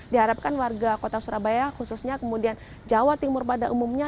diharapkan warga kota surabaya khususnya kemudian jawa timur pada umumnya